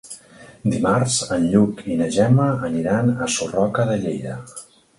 Dimarts en Lluc i na Gemma aniran a Sarroca de Lleida.